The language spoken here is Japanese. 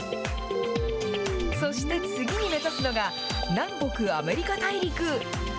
そして、次に目指すのが、南北アメリカ大陸。